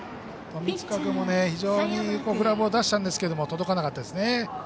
富塚君もグラブを出したんですが届かなかったですね。